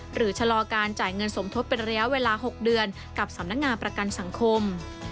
ชะลอการจ่ายเงินสมทบเป็นระยะเวลา๖เดือนกับสำนักงานประกันสังคม